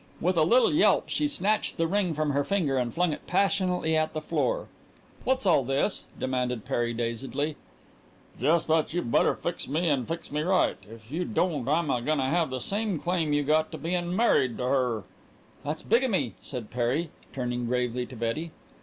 With a little yelp she snatched the ring from her finger and flung it passionately at the floor. "What's all this?" demanded Perry dazedly. "Jes' that you better fix me an' fix me right. If you don't I'm a gonna have the same claim you got to bein' married to her!" "That's bigamy," said Perry, turning gravely to Betty.